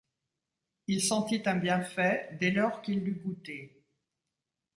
Il sentit un bienfait dès lors qu'il l'eut goutée.